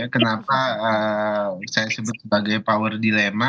kenapa saya sebut sebagai power dilema